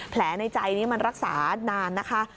ในใจนี้มันรักษานานนะคะ